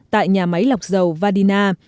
tại nhà máy lọc dầu vadina